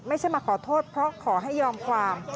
ไม่ใช่มาขอโทษเพราะขอให้ยอมความ